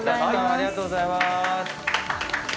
ありがとうございます。